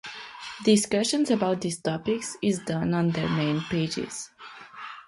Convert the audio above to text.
Discussion about these topics is done on their main pages.